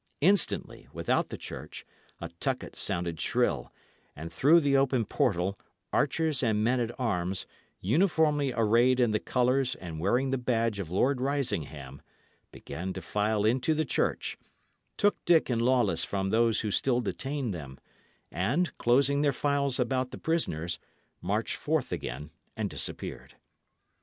Instantly, without the church, a tucket sounded shrill, and through the open portal archers and men at arms, uniformly arrayed in the colours and wearing the badge of Lord Risingham, began to file into the church, took Dick and Lawless from those who still detained them, and, closing their files about the prisoners, marched forth again and disappeared.